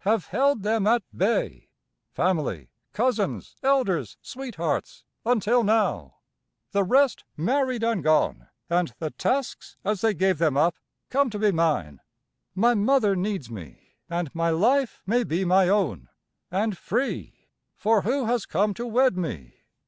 Have held them at bay family, cousins, elders, sweethearts until now, the rest married and gone, and the tasks as they gave them up come to be mine, my mother needs me, and my life may be my own and free. For who has come to wed me?